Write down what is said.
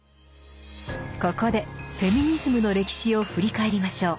ここでフェミニズムの歴史を振り返りましょう。